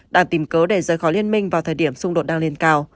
đang tìm cớ để rơi khỏi liên minh vào thời điểm xung đột đang lên cao